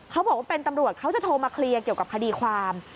เขาบอกว่าเป็นตำรวจเขาจะโทรมาเคลียร์เกี่ยวกับคดีความ